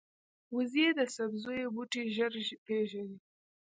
وزې د سبزیو بوټي ژر پېژني